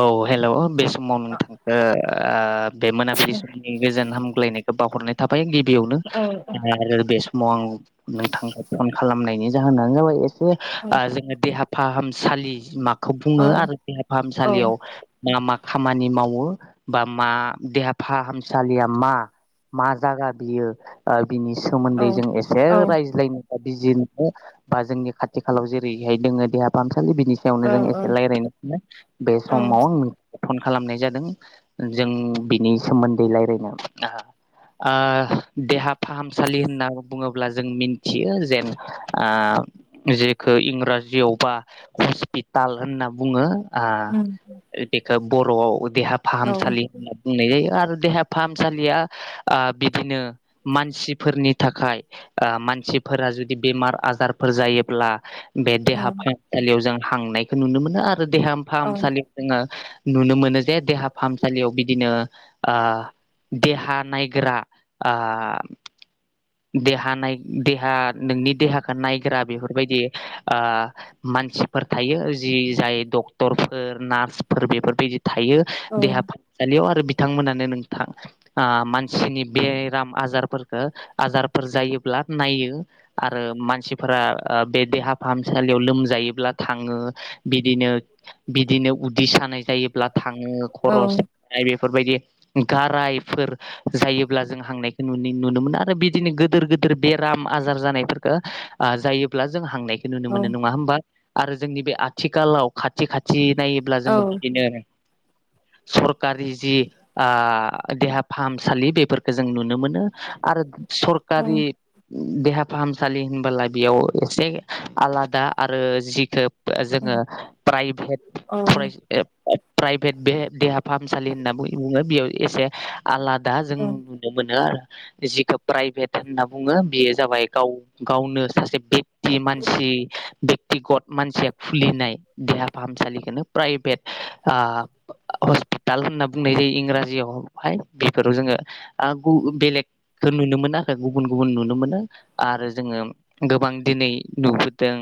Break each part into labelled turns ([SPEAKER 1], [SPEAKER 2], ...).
[SPEAKER 1] औ हेल' बे समाव
[SPEAKER 2] औ
[SPEAKER 1] नोंथां [unintelligible] बे मोनाबिलि समनि गोजोन हामग्लायनायखौ बावहरनाय थाबाय गिबियावनो
[SPEAKER 2] औ
[SPEAKER 1] आरो बे सम समाव आं नोंथांखौ फन खालामनायनि जाहोनानो जाबाय एसे
[SPEAKER 2] औ
[SPEAKER 1] ओ जों देहा फाहाम सालि माखौ
[SPEAKER 2] औ
[SPEAKER 1] बुङो आरो देहा फाहामसालियाव। मा मा खामानि मावो बा मा देहा फाहामसालिया मा। मा जागा बियो ओ बिनि सोमोन्दै जों एसे
[SPEAKER 2] औ
[SPEAKER 1] रायज्लायनि। बिजि नो बा जोंनि खाथि खालाव जेरैहाय दोङो देहा। खालि बिनि सायावनो जों एसे रायज्लायनो बे समाव आं नों। फन खालामनाय जादों जों बिनि सोमोन्दै रायलायनो। ओ । जेखौ इंराजियाव बा हस्पिटाल होनना बुङो आं।
[SPEAKER 2] उम
[SPEAKER 1] बेखो बर'आव। ओ देहा
[SPEAKER 2] औ
[SPEAKER 1] फाहामसालिया ओ बिदिनो मानसिफोरनि थाखाय ओ मान। सिफोरा जुदि बेमार आजारफोर जायोब्ला बे
[SPEAKER 2] औ
[SPEAKER 1] देहा फाहामसालियाव जों थांनायखौ नुनो मोनो आरो देहा
[SPEAKER 2] औ
[SPEAKER 1] फाहामसालियाव जोङो। नुनो मोनो जे देहा फाहामसालियाव बिदिनो ओ। देहा नायग्रा ओ देहानाय देहा नोंनि देहाखौ नायग्रा बेफोरबायदि ओ मानसिफोर थायो जि जाय डक्टर फोर नार्सफोर बेफोरबायदि थायो
[SPEAKER 2] औ
[SPEAKER 1] देहा फाहामसालियाव आरो बि बिथांमोनानो नोंथां ओ मानसिनि बेराम आजारफोरखौ आजारफोर जायोब्ला आद नायो आरो मानसिफोरा ओ बे देहा फाहामसालियाव लोमजायोब्ला थाङो। बिदिनो बिदिनो उदै सानाय जायोब्ला थाङो खरसानाय बे बेफोरबायदि गारायफोर जायोब्ला जों हांनायखौ नुनो मोनो आरो बिदिनो गोदोर गोद। दोर बेराम आजार जानायफोरखो जायोब्ला जों हांनाय। नुनो मोननाय नङा होमबा आरो जोंनि बे आथिखालाव खाथि खाथि। नायोब्ला
[SPEAKER 2] औ
[SPEAKER 1] जोङो बिदिनो। सरकारि जि आ देहा फाहामसालि बेफोरखो जों नुनो मोनो। नों आरो सरकारनि। देहा फाहामसालि होनबोला बेयाव एसे आलादा आरो जिखो। जोङो प्रभेट
[SPEAKER 2] औ
[SPEAKER 1] फरायसा प्राइभेट बे देहा। फाहामसालि होनना बुङो बेयाव एसे आलादा जों
[SPEAKER 2] औ
[SPEAKER 1] नुनो मोनो आरो। जिखौ प्राइभेट होनना बुङो बेयो जाबाय गाव गावनो सासे बे। बि मानसि बेक्तिगत मानसिया खुलिनाय देहा फाहामसालि। इखोनो प्राइभेट ओ। हस्पिटाल होनना बुंनाय जायो इंराजियावहाय बेफोराव जोङो ओ गु बेलेग। खो नुनो मोनो आरो गुबुन गुबुन नुनो मोनो आरो जोङो गोबां दिनै नुबोदों।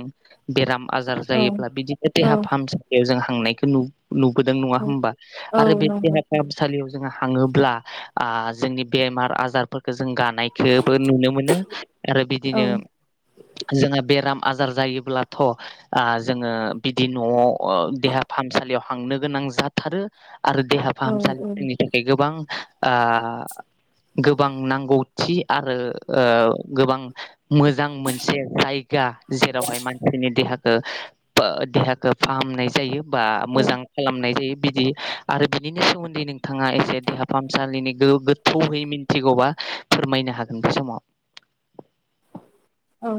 [SPEAKER 1] बेराम आजार
[SPEAKER 2] औ
[SPEAKER 1] जायोब्ला बिदिनो देहा फाहामसालियाव जों हांनायखो नु। नुबोदों नङा होमबा आरो बे
[SPEAKER 2] नंगौ
[SPEAKER 1] देहा फाहामसालियाव जों। जोङो हाङोब्ला जोंनि बेमार आजारफोरखौ जों गा। बो नुनो मोनो आरो
[SPEAKER 2] औ
[SPEAKER 1] बिदिनो जोंहा बेराम आजार जायोब्लाथ' जोङो बिदि न'आव देहा फाहामसालियाव हांनो गोनां जाथारो आरो देहा फाहामसालिफोरनि
[SPEAKER 2] औ
[SPEAKER 1] थाखाय गोबां गोबां नांगौथि आरो गोबां मोजां मोनसे जायगा जेरावहाय मानसिनि देहाखौ देहाखौ फाहामनाय जायो बा मोजां
[SPEAKER 2] औ
[SPEAKER 1] खालामनाय जायो बिदि आरो बिनि सोमोन्दै नों बिथाङा एसे देहा फाहामसालिनि गो गोथौयै मिथिगौबा फोरमायनो हागोन बे समाव
[SPEAKER 2] औ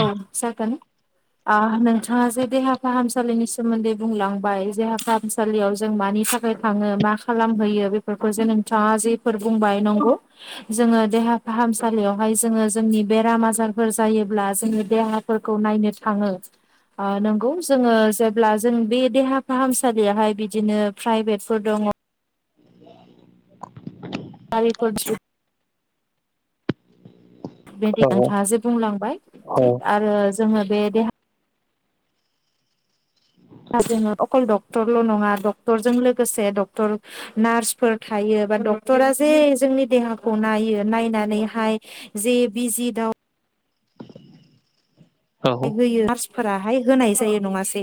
[SPEAKER 2] औ जागोन।
[SPEAKER 1] [unintelligible]
[SPEAKER 2] नोंथाङा जे देहा फाहामसालिनि सोमोन्दै बुंलांबाय देहा फाहामसालियाव जों मानि थाखाय थाङो मा खालामहैयो बेफोरखौ जे नोंथाङा जेफोर बुंबाय नंगौ जोङो देहा फाहामसालियावहाय जोङो जोंनि बेराम आजारफोर जायोब्ला जोङो देहाफोरखौ नायनो थाङो। ओ नंगौ जोङो जेब्ला जों बे देहा फाहामसालियावहाय बिदिनो प्राइभेटफोर दङ'
[SPEAKER 1] [unintelligible]
[SPEAKER 2] गारिफोर। बेदि
[SPEAKER 1] औ
[SPEAKER 2] नोंथाङा जे बुंलांबाय
[SPEAKER 1] औ
[SPEAKER 2] थिग आरो जोङो बे देहा। दा जोङो अख'ल डक्टरल' नङा डक्टरजों लोगोसे डक्टर नार्सफोर थायो एबा डक्टरा जे जोंनि देहाखौ नायो नायनानैहाय जे बिजि दाउ होयो नार्सफोराहाय होनाय जायो नङासै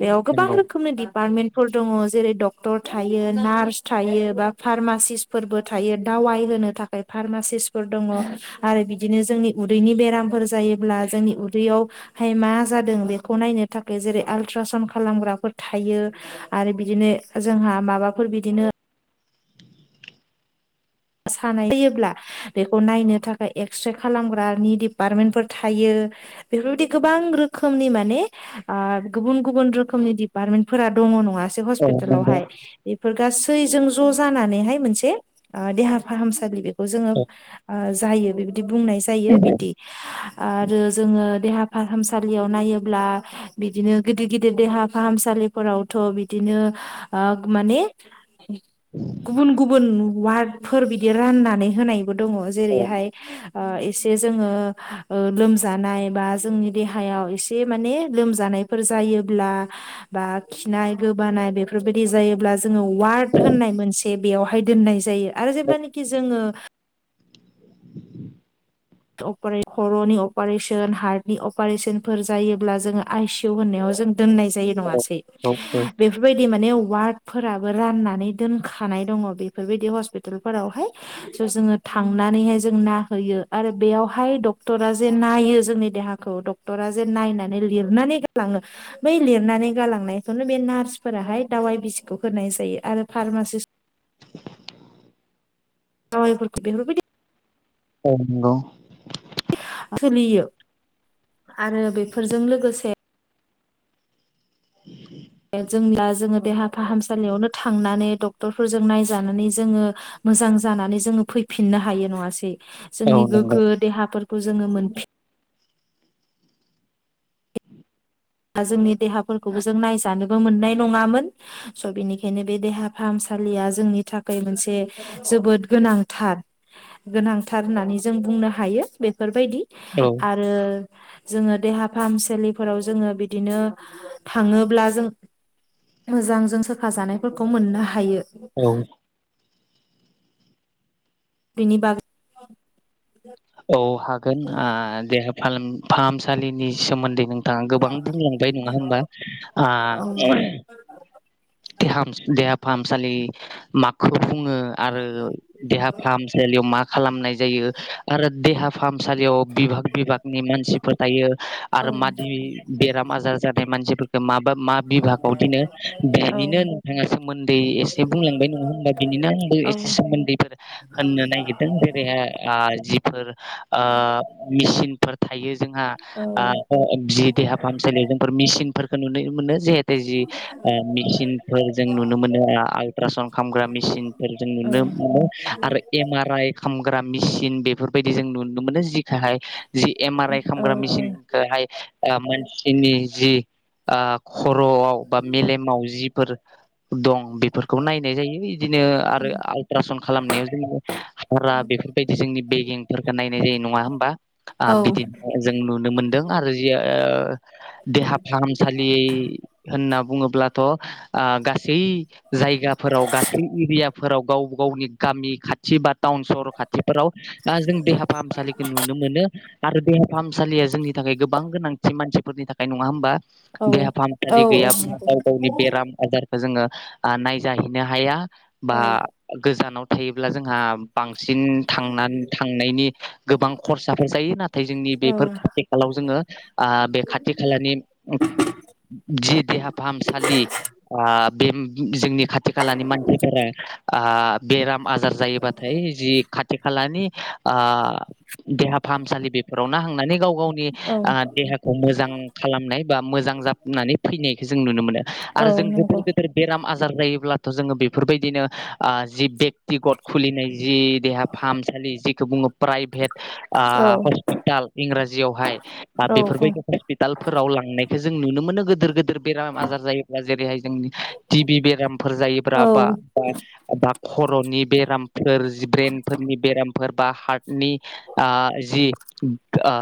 [SPEAKER 2] बेयाव गोबां
[SPEAKER 1] नंगौ
[SPEAKER 2] रोखोमनि दि पार्टमेन्टफोर दङ जेरै डक्टर थायो नार्स थायो बा फार्मासिस्फोरबो थायो आवाय होनो थाखाय फार्मासिस्फोर दङ आरो बिदिनो जोंनि उदैनि बेरामफोर जायोब्ला जोंनि दैयावहाय मा जादों बेखौ नायनो थाखाय जेरै आलट्रासान्ड खालामग्राफोर थायो। आरो बिदिनो जोंहा माबाफोर बिदिनो सानाय जायोब्ला बेखौ नायनो थाखाय एक्सरे खालामग्रानि दिडिपार्टमेन्टफोर थायो बेफोरबाय गोबां रोखोमनि मान गुबुन गुबुन रोखोमनि दिपार्मेन्टफोरा दङ' नङासै
[SPEAKER 1] औ नंगौ
[SPEAKER 2] हपिटालावहाय बेफोर गासै ज' जानानै मोन देहा फाहामसालि बेखौ जोङो
[SPEAKER 1] औ
[SPEAKER 2] जायो। बि बुंनाय जायो बिदि आरो जोंङो। देहा फाहामसालियाव नायोब्ला बिदिनो गिदिर गिदिर देहा फाहामसालिफोरावथ' बिदिनो माने गुबुन गुबुन वार्डफोर बिदि राननानै होनाय दङ
[SPEAKER 1] औ
[SPEAKER 2] जेरैहाय एसे जोङो लोमजानाय बा जोंनि देहायाव एसे माने लोमजानाय। [unintelligible] हेननाय मोनसे बेयावहाय दोननाय जायो आरो जेब्लानोखि जोङो खर'नि अपारेशन हार्टनि अपारेशनफोर जायोब्ला जोङो आइसि इउ होननायाव जों दोननाय जायो नङासै
[SPEAKER 1] औ औ
[SPEAKER 2] बेफोरबादि माने वार्डफोराबो राननानै दोनखानाय दङ बेफोरबायदि हस्पितालफोरावहाय स' जोङो थांनानैहाय जों ना होयो। आरो बेयावहाय डक्टरा जे नायो जोंनि देहाखौ डक्टरा जे नायनानै लिरनानै गालाङो। बै लिरनानै गालांनायखौनो बे नार्सफोराहाय दावाइ बिसिखौ होनाय जायो आरो फार्मासिस।
[SPEAKER 1] [unintelligible]
[SPEAKER 2] जावायफोरखौ [unintelligible]
[SPEAKER 1] औ नांगौ
[SPEAKER 2] सोलियो आरो बेफोरजों लोगोसे
[SPEAKER 1] [unintelligible]
[SPEAKER 2] जोंब्ला जोङो देहा फाहामसालियावनो थांनानै डक्टरफोरजों नायजानानै जोङो। मोजां जानानै जोङो फैफिननो हायो नङासै
[SPEAKER 1] औ
[SPEAKER 2] जोंनि
[SPEAKER 1] नंगौ
[SPEAKER 2] गोग्गो देहाफोरखौ जोङो मोनफि दा जोंनि देहाफोरखौबो जों नायजानोबो मोननाय नङामोन स' बेनिखायनो बे देहा फाहामसालि सालिया जोंनि थाखाय मोनसे जोबोद गोनांथार गोनांथार होननानै जों बुंनो हायो बे बेफोरबायदि
[SPEAKER 1] औ
[SPEAKER 2] आरो जोङो देहा फाहामसालिफोराव जोङो बिदिनो थाङोब्ला जों मोजांजों सोखाजानायफोरखौ मोननो हायो
[SPEAKER 1] औ
[SPEAKER 2] बिनि बागै
[SPEAKER 1] औ हागोन आ देहा फाहामसालिनि सोमोन्दै नों दा गोबां बुंलांबाय नङा होमबा आ
[SPEAKER 2] औ
[SPEAKER 1] देहाफ देहा फाहामसालि माखौ बुङो आरो देहा फाहामसालियाव मा खालामनाय जायो आरो देहा फाहाम फाहामसालियाव बिभाग बिभागनि मानसिफोर थायो
[SPEAKER 2] औ
[SPEAKER 1] आरो मादि बेराम आजार जानाय मानसि माबा मा बिभागाव दिनो बेनिनो नोंथाङा सोमोन्दै एसे बुंलांबाय नङा होनबा बिनिनो आंबो
[SPEAKER 2] औ
[SPEAKER 1] एसे सोमोन्दैफोर होननो नायगिरदों [unintelligible] ओ मेसिनफोर थायो जोंहा
[SPEAKER 2] औ
[SPEAKER 1] आ ओ जि देहा फाहामसालि जोंफोर मेसिनफोरखौ नुनो मोनो जिहेतु जि मेसिनफोर जों नुनो मोनो आल्ट्रा साउन्ड खालामामग्रा मेसिनफोर जों
[SPEAKER 2] औ
[SPEAKER 1] नुनो मोनो आरो एम आर आइ खालामामग्रा मेसिन बेफोरबायदि जों नुनो मोनो जिखाहाय जि एम आर आइ
[SPEAKER 2] औ
[SPEAKER 1] खालामामग्रा मेसिनखौहाय मानसिनि जि आ खर'आव बा माव जिफोर‌दं बेफोरखौ नायनाय जायो बिदिनो आरो आलट्रा खालामनायाव जोंनि हारा बेफोरबायदि जोंनि बेगेंफोरखौ नायनाय जायो नङा होमबा
[SPEAKER 2] औ
[SPEAKER 1] आ बिदि जों नुनो मोनदों आरो देहा फाहामसालि होनना बुङोब्लाथ' ओ गासै जायगाफोराव गासै एरियाफोराव गाव गावनि ग गामि खाथि बा टाउन सहर खाथिफोराव दा जों देहा फाहामसालिखौ नुनो मोनो आरो देहा फाहामसालिया जोंनि थाखाय गोबां गोनांथि मानसिफोरनि थाखाय नङा होमबा देहा फाहाम सालि गैया बेराम आजारखौ जोङो नायजाहैनो हाया बा गोजानाव थायोब्ला जोंहा बांसिन थांनानै थांनायनि गोबां खरसाफोर जायो नाथाय जोंनि
[SPEAKER 2] औ
[SPEAKER 1] बेफोर खाथि खाालाव जोङो आ बे खाथि खालानि जि देहा फाहामसालि ओ बे जोंनि खाथि खालानि मानसिफोरा ओ बेराम आजार जायोबाथाय जि खाथि खालानि देहा फाहामसालि बेफोरावनो हांनानै गाव गावनि
[SPEAKER 2] औ
[SPEAKER 1] देहाखौ मोजां खालामनाय बा मोजां नांजाबनानै फैनायखौ जों नुनो मोनो
[SPEAKER 2] औ
[SPEAKER 1] आरो जों गेदोर
[SPEAKER 2] नंगौ नंगौ
[SPEAKER 1] गेदेर बेराम आजार जायो ब्लाथ जों बेफोरबायदिनो ओ जि टिकट खुलिनाय जि देहा फाहामसालि जिेखौ बुङो प्राइभेट ओ
[SPEAKER 2] औ
[SPEAKER 1] हस्पिटाल इंराजियावहाय
[SPEAKER 2] औ औ
[SPEAKER 1] बेफोरबायदि हस्पिटालफोराव लांनाय जों नुनो मोनो गोदेर गोदेर बेराम आजार जायोबा जेरैहाय जों टिभि बेरामफोर जायोब्रा ब्रा बा बाखथ बर'नि बेरामफोर जि ब्रेन्फोरनि बेराम फोर बा हार्टनि ओ जि ओ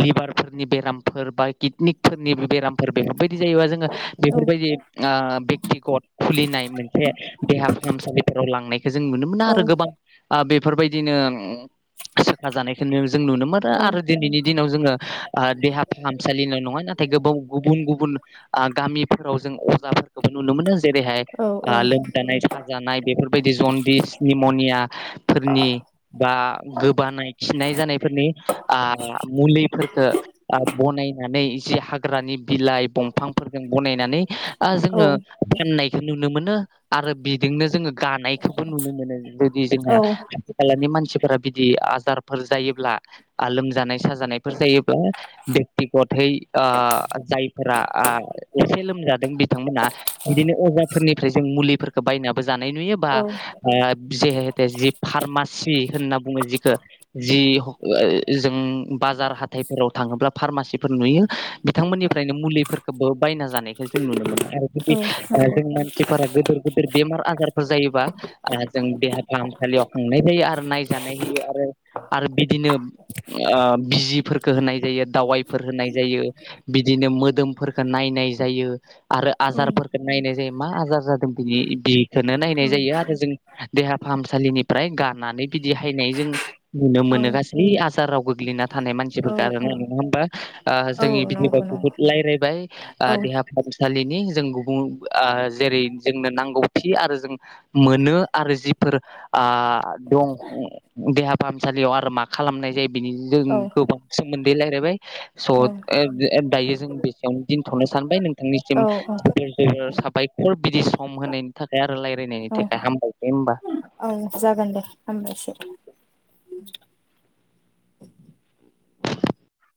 [SPEAKER 1] लिभारफोरनि बेरामफोर बा किडनिफोरनि बेरामफोर बे बायदि जायोबा जोङो बेफोरबायदि ओ बेख्थिगत खुलिनाय मोनसे देहा फाहामसालि फोराव लांनायखौ जों नुनो मोना आरो गोबां बेफोरबायदिनो सोखा जानायखौ जों नुनो मोनो आरो दिनैनि दिनाव जोङो देहा फाहामसालिल' नङा नाथाय गोबाव गुबुन गुबुन गामिफोराव जों अजाफोरखौबो नुनो मोनो जेरैहाय लोमजानाय साजानाय बेफोरबायदि जनदिसनिमनिया फोरनि बा गोबानाय खिनाय जानायफोरनि मुलि बनानै एसे हाग्रानि बिलाइ दंफांफोरजों बनायनानै ओ जोङो फाननायखौ नुनो मोनो आरो बिजोंनो जोङो गानायखौबो नुनो मोनो जुदि जोंहा खाथि खालानि मानसि बिदि आजारफोर जायोब्ला लोमजानाय साजानायफोर जायोब्ला बेक्तिगत ओ जायो बिथांमोना बिदिनो अजाफोरनिफ्राय जों मुलिफोरखौ बायनाबो ज जानाय नुयो बा जिहेते जि फार्मासि होनना बुङो जिखौ जि जों बाजार हाथथायफोराव थाङोब्ला फारमासिफोर नुयो
[SPEAKER 2] [unintelligible]
[SPEAKER 1] बिथांमोननिफ्रायनो मुलिफोरखौबो बायना जानायखौ जों नुनो मोन आरो जुदि जों मानसिफोरा गदोर गदिर बेम आजारफोर जायोबा जों देहा फाहामसालियाव थांनाय जायो आरो नायजानायनि आरो आरो बिदिनो ओ बिजिफोरखौ होनाय जायो दावाइफोर होनाय जायो बि दिनो मोदोमफोरफोरखौ नायनाय जायो आरो आजारफोरखौ नायनाय जायो। मा आजार जादों बिनि बे-बेखौनो नायनाय जायो आरो जों देहा फाहामसालिनिफ्राय गाननानै बिदि हायनाय जों नुनो मोनो गासै आ जाराव गोग्लैना थानाय मानसिफोरखौ आरोना नङा होमबा? जोंनि बिदिबा बुहुद राय्लायबाय आ देहा फाहाम सालिनि जों गुबु जेरै जोंनो नांगौ खि आरो जों मोनो आरो जि फोर आ दं देहा फाहामसालियाव आरो मा खालामनाय जायो बिनि जों गोबां सोमोन्दै राय्लायबाय स ओ ओ दायो जों बेसेयावनो दोनथ'नो सानबाय नोंथांनिसिम जोबोर जोबोर साबायखर बिदि सम होनायनि थाखाय। आरो रायजलायनायनि
[SPEAKER 2] औ
[SPEAKER 1] थाखाय हामबायसै होनबा।
[SPEAKER 2] औ जागोन दे हबायसै।